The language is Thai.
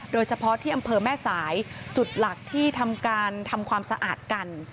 โดยเฉพาะที่อำเภอแม่สายจุดหลักที่ทำการทำความสะอาดกัน